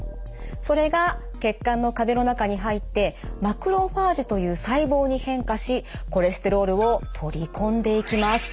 それが血管の壁の中に入ってマクロファージという細胞に変化しコレステロールを取り込んでいきます。